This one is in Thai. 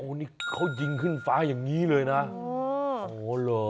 นี่เขายิงขึ้นฟ้าอย่างนี้เลยนะโอ้โหเหรอ